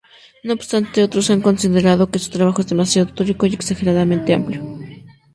No obstante, otros han considerado que su trabajo es demasiado teórico y exageradamente amplio.